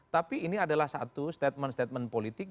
tapi ini adalah satu statement statement politik